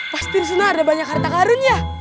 pastiin sana ada banyak harta karun ya